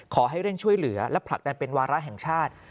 ขอให้เร่งช่วยเหลือและผลักดันเป็นวาระแห่งชาติ